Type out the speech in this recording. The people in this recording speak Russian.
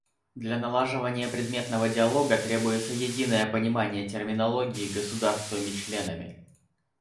Для налаживания предметного диалога требуется единое понимание терминологии государствами-членами.